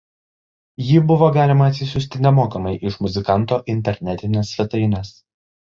Jį buvo galima atsisiųsti nemokamai iš muzikanto internetinės svetainės.